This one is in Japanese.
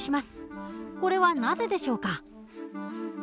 これはなぜでしょうか？